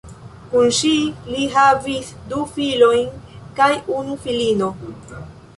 Kun ŝi li havis du filojn kaj unu filino.